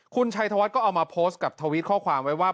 คุณชัยธวัฒน์ก็เอามาโพสต์กับทวิตข้อความไว้ว่า